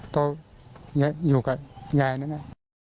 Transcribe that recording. ตอนอยู่กับยายนั่น